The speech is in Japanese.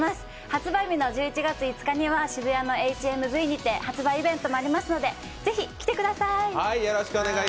発売日の１１月５日には渋谷のＨＭＶにて発売イベントもありますのでぜひ来てください。